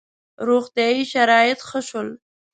• روغتیايي شرایط ښه شول.